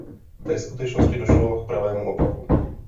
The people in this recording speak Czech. Ve skutečnosti došlo k pravému opaku.